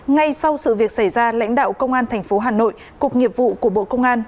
ngay sau sự việc xảy ra lãnh đạo công an tp hà nội cục nghiệp vụ của bộ công an